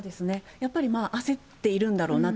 やっぱり焦っているんだろうなと。